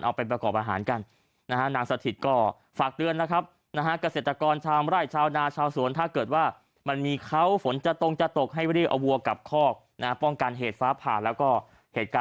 เอาไปประกอบอาหารกันนะฮะนางสถิตย์ก็ฝากเตือนนะครับนะฮะ